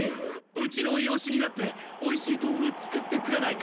うちのようしになっておいしい豆腐作ってくれないか？